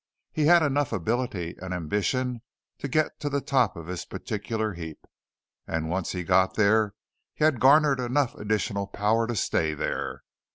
He had enough ability and ambition to get to the top of his particular heap, and once he got there he had garnered enough additional power to stay there.